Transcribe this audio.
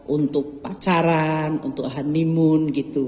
untuk pacaran untuk honeymoon gitu